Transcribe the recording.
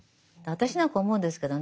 私なんか思うんですけどね